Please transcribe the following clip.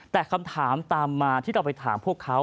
แต่คำถามตามมาที่เราไปถามพวกเขา